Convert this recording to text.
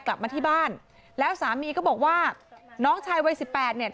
กลับมาที่บ้านแล้วสามีก็บอกว่าน้องชายวัยสิบแปดเนี่ย